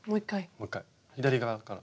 もう一回。左側から。